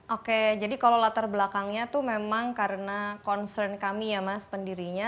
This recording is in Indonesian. oke jadi kalau latar belakangnya itu memang karena concern kami ya mas pendirinya